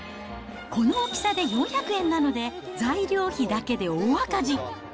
この大きさで４００円なので、材料費だけで大赤字。